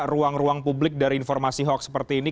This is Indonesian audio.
ruang ruang publik dari informasi hoax seperti ini